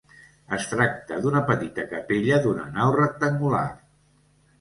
Es tracta d'una petita capella d'una nau rectangular.